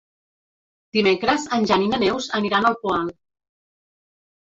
Dimecres en Jan i na Neus aniran al Poal.